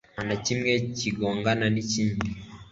nta na kimwe kigongana n'ikindi